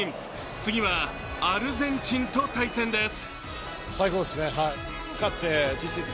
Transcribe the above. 次はアルゼンチンと対戦です。